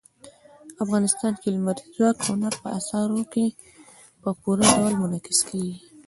افغانستان کې لمریز ځواک د هنر په اثارو کې په پوره ډول منعکس کېږي.